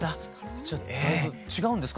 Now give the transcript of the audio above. じゃあだいぶ違うんですか？